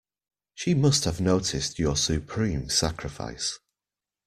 She must have noticed your supreme sacrifice.